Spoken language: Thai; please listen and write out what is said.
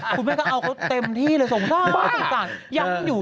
คุณแม่ก็เอาเขาเต็มที่เลยสงสารยังอยู่